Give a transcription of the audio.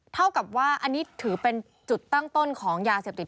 เท่ากับว่าอันนี้ถือเป็นจุดตั้งต้นของยาเสพติด